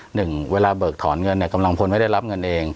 หนึ่งเวลาเบิกถอนเงินเนี่ยกำลังพลไม่ได้รับเงินเอง